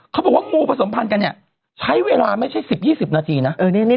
เขาบอกว่างูผสมพันธ์กันเนี่ยใช้เวลาไม่ใช่๑๐๒๐นาทีนะ